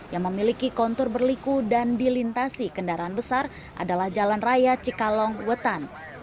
yang memiliki kontur berliku dan dilintasi kendaraan besar adalah jalan raya cikalong wetan